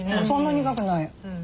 そんな苦くない。